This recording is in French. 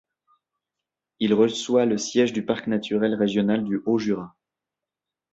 Il reçoit le siège du Parc naturel régional du Haut-Jura.